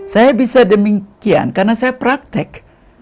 saya bisa demikian karena saya praktek